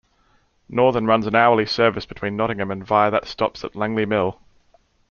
Northern run an hourly service between Nottingham and via that stops at Langley Mill.